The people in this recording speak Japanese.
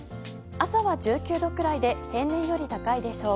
朝は１９度くらいで平年より高いでしょう。